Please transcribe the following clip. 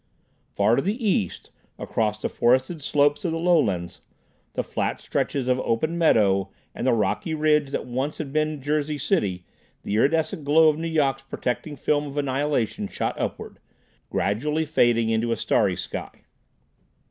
Far to the east, across the forested slopes of the lowlands, the flat stretches of open meadow and the rocky ridge that once had been Jersey City, the iridescent glow of Nu Yok's protecting film of annihilation shot upward, gradually fading into a starry sky.